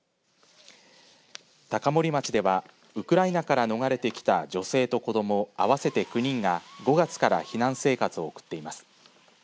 高森町ではウクライナから逃れてきた女性と子ども、合わせて９人が５月から避難生活を送っています。